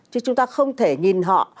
chứ chúng ta không thể nhìn họ